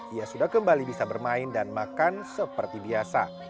ia sudah kembali bisa bermain dan makan seperti biasa